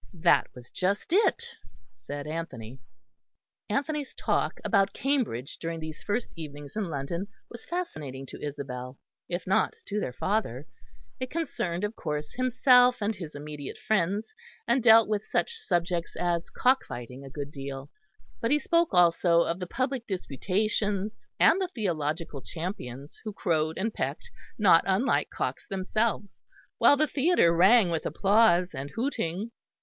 "That was just it," said Anthony. Anthony's talk about Cambridge during these first evenings in London was fascinating to Isabel, if not to their father, too. It concerned of course himself and his immediate friends, and dealt with such subjects as cock fighting a good deal; but he spoke also of the public disputations and the theological champions who crowed and pecked, not unlike cocks themselves, while the theatre rang with applause and hooting.